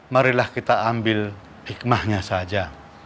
marilah kita ambil hikmahnya saja